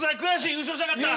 優勝したかった。